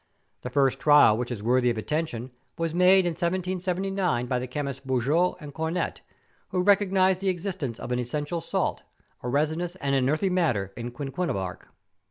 The first trial which is worthy of atten¬ tion was made in 1779 by the chemists Buguet and Cornette, who recognised the existence of an essential salt, a resinous and an earthy matter in quinquina bark.